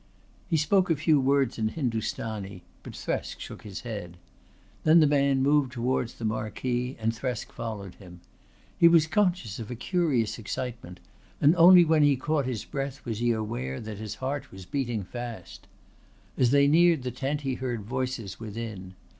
He spoke a few words in Hindustani, but Thresk shook his head. Then the man moved towards the marquee and Thresk followed him. He was conscious of a curious excitement, and only when he caught his breath was he aware that his heart was beating fast. As they neared the tent he heard voices within.